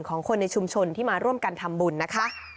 ของคนในชุมชนที่มาร่วมกันทำบุญนะคะ